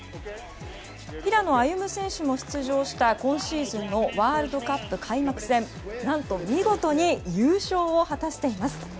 平野歩夢選手も出場した今シーズンのワールドカップ開幕戦何と、見事に優勝を果たしています。